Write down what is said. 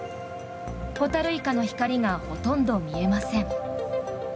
ホタルイカの光がほとんど見えません。